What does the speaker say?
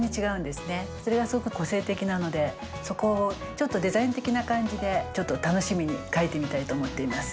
それがすごく個性的なのでそこをちょっとデザイン的な感じでちょっと楽しみに描いてみたいと思っています。